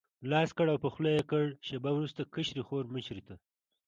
لاس کړ او په خوله یې کړ، شېبه وروسته کشرې خور مشرې ته.